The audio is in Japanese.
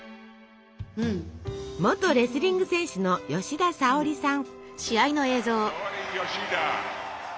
元レスリング選手の吉田沙保里さん。